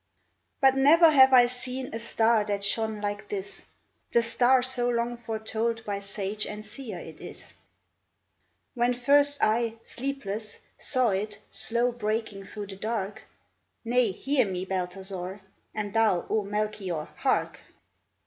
" But never have I seen A star that shone like this — The star so long foretold By sage and seer it is ! 40O THE LEGEND OF THE BABOUSHKA " When first I, sleepless, saw it Slow breaking through the dark — Nay, hear me, Balthazar, And thou, O Melchior, hark